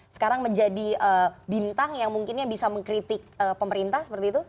sekarang menjadi bintang yang mungkinnya bisa mengkritik pemerintah seperti itu